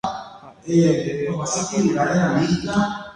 Ha'éta ndéve mba'épa rejapokuaa.